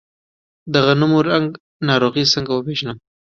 د غنمو زنګ ناروغي څنګه وپیژنم؟